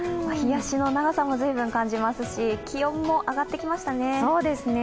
日ざしの長さも随分感じますし、気温も上がってきましたね。